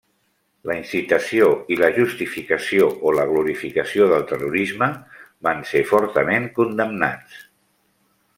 La incitació i la justificació o la glorificació del terrorisme van ser fortament condemnats.